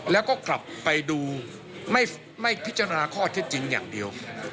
แล้วก็กลับไปดูไม่พิจารณาข้อเท็จจริงอย่างเดียว